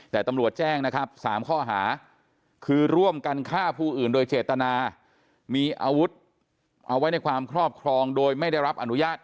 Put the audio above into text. แต่ตำรวจแจ้งนะครับ๓ข้อหาคือร่วมกันฆ่าผู้อื่นโดยเจตนามีอาวุธเอาไว้ในความครอบครองโดยไม่ได้รับอนุญาต